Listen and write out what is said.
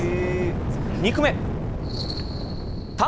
２句目。